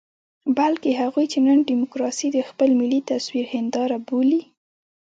بلکې هغوی چې نن ډيموکراسي د خپل ملي تصوير هنداره بولي.